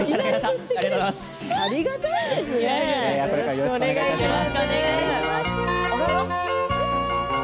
よろしくお願いします。